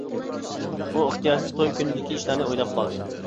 ئۇ ئىختىيارسىز توي كۈنىدىكى ئىشلارنى ئويلاپ قالدى.